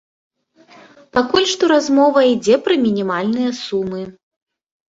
Пакуль што размова ідзе пра мінімальныя сумы.